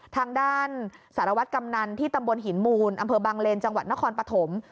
ทางด้านสารวัตรกำนันที่ตำบลหินมูลอำเภอบางเลนจังหวัดนครปฐม